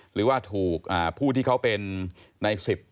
หรือว่าถูกผู้ที่เขาเป็นใน๑๐